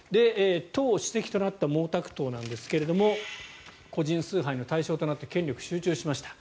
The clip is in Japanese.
党主席となった毛沢東なんですが個人崇拝の対象となって権力が集中しました。